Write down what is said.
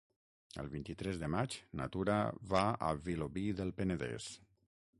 El vint-i-tres de maig na Tura va a Vilobí del Penedès.